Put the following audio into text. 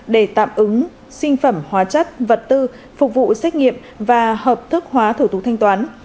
để tạm ứng sinh phẩm hóa chất vật tư phục vụ xét nghiệm và hợp thức hóa thủ tục thanh toán